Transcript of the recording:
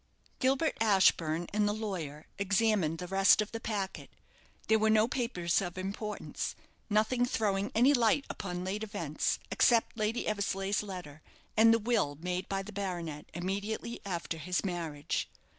Gilbert Ashburne and the lawyer examined the rest of the packet. There were no papers of importance; nothing throwing any light upon late events, except Lady Eversleigh's letter, and the will made by the baronet immediately after his marriage.